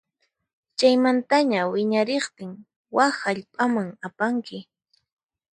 Chaymantaña wiñariqtin wak hallp'aman apanki.